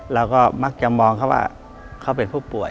เราก็มักจะมองเขาว่าเขาเป็นผู้ป่วย